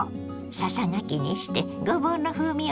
ささがきにしてごぼうの風味を味わう